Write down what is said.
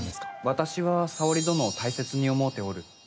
私は沙織殿を大切に思うておる。